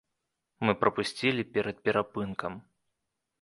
Мы прапусцілі перад перапынкам.